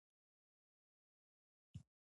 خلک فکر کوي چې زه خلک نه خوښوم